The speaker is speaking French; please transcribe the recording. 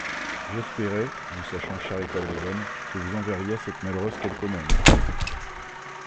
J'espérais, vous sachant charitable et bonne, que vous enverriez à cette malheureuse quelque aumône.